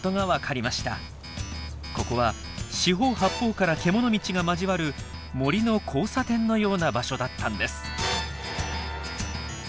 ここは四方八方から獣道が交わる森の交差点のような場所だったんです。